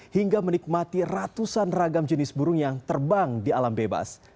hingga menikmati ratusan ragam jenis burung yang terbang di alam bebas